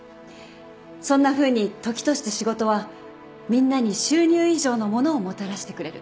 そんなふうに時として仕事はみんなに収入以上のものをもたらしてくれる。